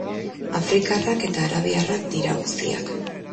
Afrikarrak eta arabiarrak dira guztiak.